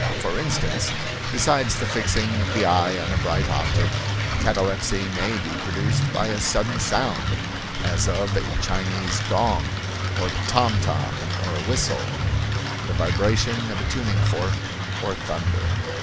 For instance, besides the fixing of the eye on a bright object, catalepsy may be produced by a sudden sound, as of a Chinese gong, a tom tom or a whistle, the vibration of a tuning fork, or thunder.